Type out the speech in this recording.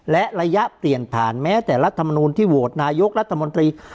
และระยะเปลี่ยนผ่านแม้แต่รัฐมนูลที่โหวตนายกรัฐมนตรี